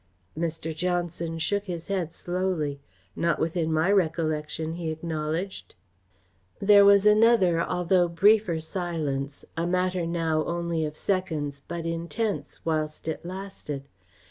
Mr. Johnson shook his head slowly. "Not within my recollection," he acknowledged. There was another, although a briefer silence, a matter now only of seconds, but intense whilst it lasted.